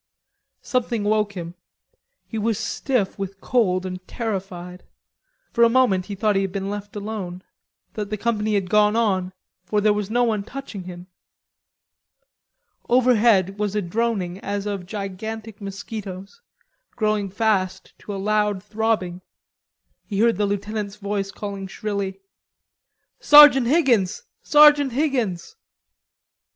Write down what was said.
Something woke him. He was stiff with cold and terrified. For a moment he thought he had been left alone, that the company had gone on, for there was no one touching him. Overhead was a droning as of gigantic mosquitoes, growing fast to a loud throbbing. He heard the lieutenant's voice calling shrilly: "Sergeant Higgins, Sergeant Higgins!"